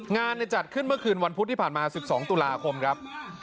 งานจัดขึ้นเมื่อคืนวันพุธที่ผ่านมา๑๒ตุลาคมครับ